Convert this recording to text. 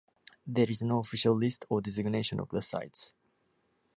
There is no official list or designation of the sites.